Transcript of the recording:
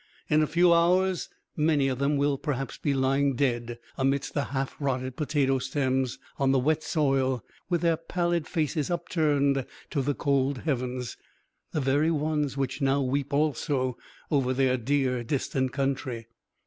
In a few hours many of them will perhaps be lying dead amidst the half rotted potato stems on the wet soil with their pallid faces upturned to the cold heavens, the very ones which now weep also over their dear, distant country.